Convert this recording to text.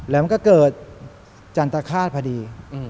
แล้วมันก็เกิดจันตคาดพอดี